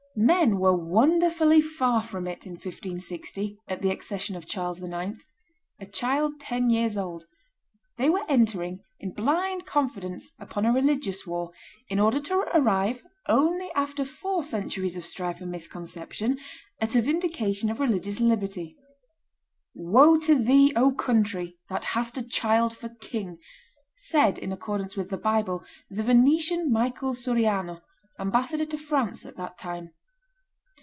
Men were wonderfully far from it in 1560, at the accession of Charles IX., a child ten years old; they were entering, in blind confidence, upon a religious war, in order to arrive, only after four centuries of strife and misconception, at a vindication of religious liberty. "Woe to thee, O country, that hast a child for king!" said, in accordance with the Bible, the Venetian Michael Suriano, ambassador to France at that time.